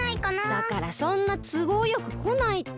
だからそんなつごうよくこないって。